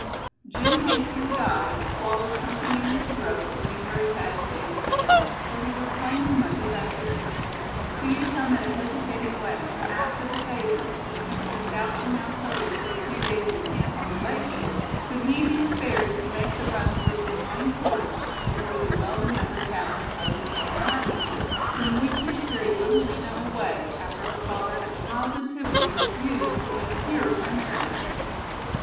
Jim Hasty, the guide, swallowed something in his throat, when he heard Thad say these words, for he was plainly much affected. He had come in a hesitating way to ask as a favor that, since the scouts were now settled for a few days in camp on the lake shore, could he be spared to make the run through the pine forests to where the well remembered cabin of Old Cale Martin stood, from which he had carried Little Lina away, after her father had positively refused to even hear of their marriage.